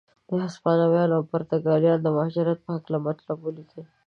د هسپانویانو او پرتګالیانو د مهاجرت په هکله مطلب ولیکئ.